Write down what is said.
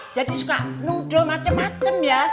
jadi suka nudo macem macem ya